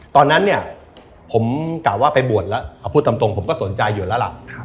ตอนนั้นเนี่ยผมกล่าวว่าไปบวชแล้วเอาพูดตรงผมก็สนใจอยู่แล้วล่ะ